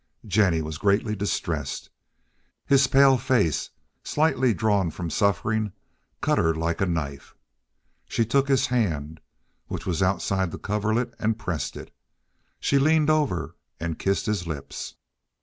Jennie was greatly distressed. His pale face, slightly drawn from suffering, cut her like a knife. She took his hand, which was outside the coverlet, and pressed it. She leaned over and kissed his lips.